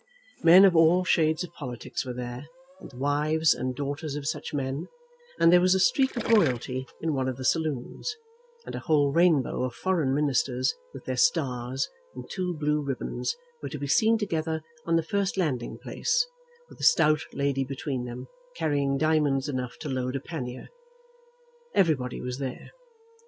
Men of all shades of politics were there, and the wives and daughters of such men; and there was a streak of royalty in one of the saloons, and a whole rainbow of foreign ministers with their stars, and two blue ribbons were to be seen together on the first landing place, with a stout lady between them carrying diamonds enough to load a pannier. Everybody was there.